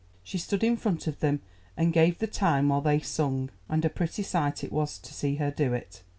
She stood in front of them and gave the time while they sung, and a pretty sight it was to see her do it.